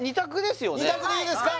２択でいいですか？